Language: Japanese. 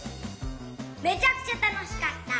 めちゃくちゃたのしかった！